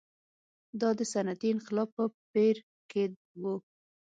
دا د صنعتي انقلاب په پېر کې و.